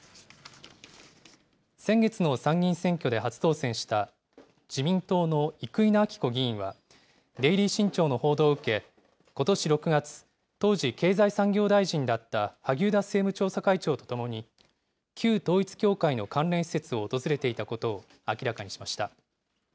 先月の参議院選挙で初当選した、自民党の生稲晃子議員は、デイリー新潮の報道を受け、ことし６月、当時、経済産業大臣だった萩生田政務調査会長と共に、旧統一教会の関連施設を訪れていたことを明らかにしました。